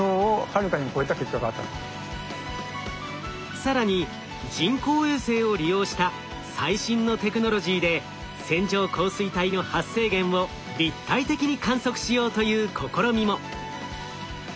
更に人工衛星を利用した最新のテクノロジーで線状降水帯の発生源を立体的に観測しようという試みも。